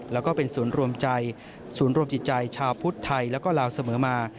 และเป็นศูนย์รวมจิตใจชาวพุทธไทยและลาวเสมอมา